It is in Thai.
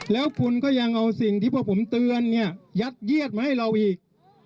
แล้วคุณก็ยังเอาสิ่งที่พวกผมเตือนเนี่ยยัดเยียดมาให้เราอีก